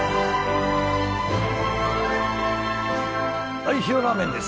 ・はい塩ラーメンです